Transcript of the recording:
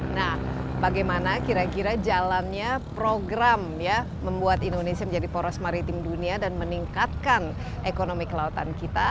nah bagaimana kira kira jalannya program ya membuat indonesia menjadi poros maritim dunia dan meningkatkan ekonomi kelautan kita